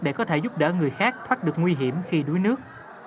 để có thể giúp đỡ người khác thoát được nguy hiểm khi đuối nước